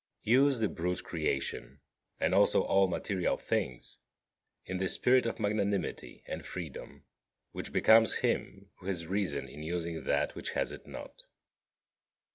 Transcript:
23. Use the brute creation, and also all material things, in the spirit of magnanimity and freedom which becomes him who has reason in using that which has it not.